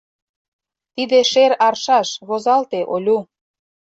— Тиде шер аршаш, возалте, Олю.